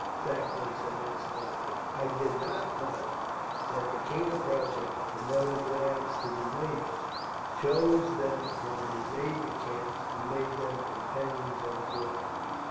Sackville said insolently. "I did not know that the King of Prussia promoted lads to be majors, chose them for his aides de camp, and made them companions of his order."